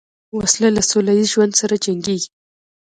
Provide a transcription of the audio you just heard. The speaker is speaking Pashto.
وسله له سولهییز ژوند سره جنګیږي